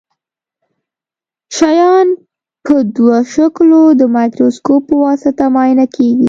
شیان په دوه شکلو د مایکروسکوپ په واسطه معاینه کیږي.